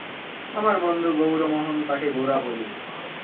আমার বন্ধু গৌরমোহন, তাঁকে গোরা বলি।